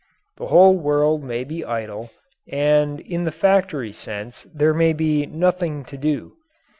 The whole world may be idle, and in the factory sense there may be "nothing to do."